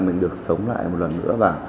mình được sống lại một lần nữa